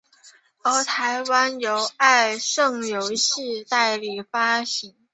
而台湾由爱胜游戏代理发行。